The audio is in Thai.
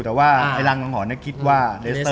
แต่ว่าไอ้รังหลังหอเนี่ยคิดว่า